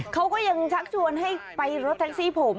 เขาก็ยังชักชวนให้ไปรถแท็กซี่ผม